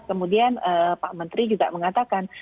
kemudian pak menteri juga mengatakan